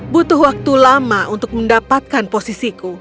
butuh waktu lama untuk mendapatkan posisiku